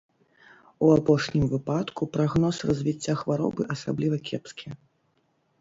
У апошнім выпадку прагноз развіцця хваробы асабліва кепскі.